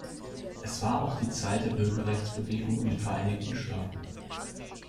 Es war auch die Zeit der Bürgerrechtsbewegung in den Vereinigten Staaten.